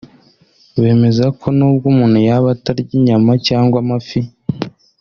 bemeza ko n’ubwo umuntu yaba atarya inyama cyangwa amafi